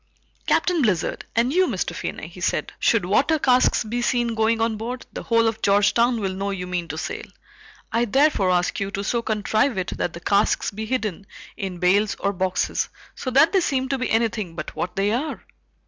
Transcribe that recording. "Captain Blizzard, and you, Mr. Finney," he said, "should water casks be seen going on board, the whole of Georgetown will know you mean to sail. I therefore ask you to so contrive it that the casks be hidden in bales or boxes so that they seem to be anything but what they are."